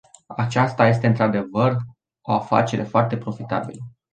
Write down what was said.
Aceasta este într-adevăr o afacere foarte profitabilă.